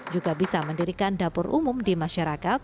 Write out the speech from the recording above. juga bisa mendirikan dapur umum di masyarakat